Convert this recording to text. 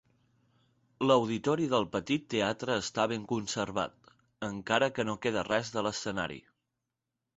L"auditori del petit teatre està ben conservat, encara que no queda res de l"escenari.